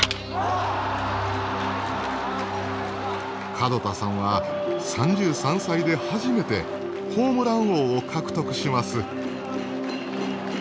門田さんは３３歳で初めてホームラン王を獲得します。